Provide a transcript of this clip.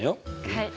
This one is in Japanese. はい。